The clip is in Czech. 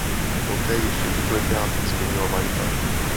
Poté ještě několikrát změnilo majitele.